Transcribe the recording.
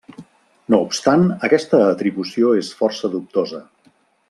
No obstant aquesta atribució és força dubtosa.